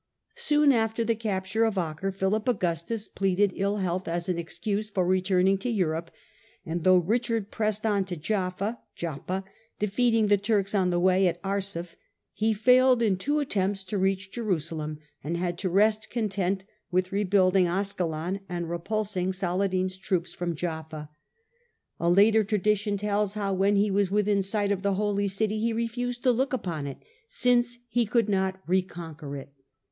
Soon after the capture of Acre Philip Augustus pleaded ill health as an excuse for return ing to Europe, and though Eichard pressed on to Jaffa (Joppa), defeating the Turks on the way at Arsuf, he failed Battle of in two attempts to reach Jerusalem, and had to rest ^^^^ content with rebuilding Ascalon and repulsing Saladin's 208 THE CENTRAL PERIOD OF THE MIDDLE AGE troops from Jaffa. A later tradition tells how, when he was within sight of the Holy City, he refused to look upon it, since he could not reconquer it.